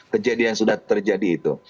kejadian sudah terjadi itu